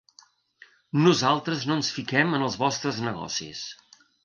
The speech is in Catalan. Nosaltres no ens fiquem en els vostres negocis.